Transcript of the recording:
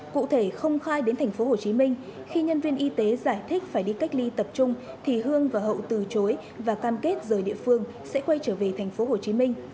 cụ thể không khai đến thành phố hồ chí minh khi nhân viên y tế giải thích phải đi cách ly tập trung thì hương và hậu từ chối và cam kết rời địa phương sẽ quay trở về thành phố hồ chí minh